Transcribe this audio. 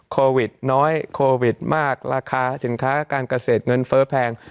โควิดน้อยโควิดมากราคาสินค้าการเกษตรเงินเฟ้อแพง